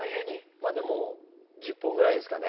まあでも１０本ぐらいですかね。